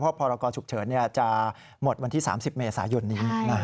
พรกรฉุกเฉินจะหมดวันที่๓๐เมษายนนี้